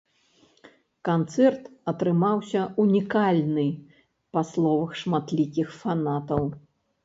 Канцэрт атрымаўся унікальны, па словах шматлікіх фанатаў.